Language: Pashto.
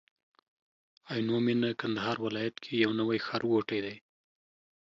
عينو مينه کندهار ولايت کي يو نوي ښارګوټي دي